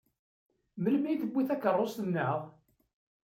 Melmi i tewwi takeṛṛust-nneɣ?